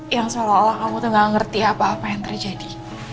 yang seolah olah kamu tuh gak ngerti apa apa yang terjadi